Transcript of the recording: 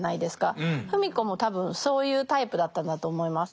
芙美子も多分そういうタイプだったんだと思います。